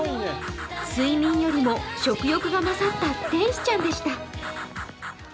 睡眠よりも食欲が勝った天使ちゃんでした。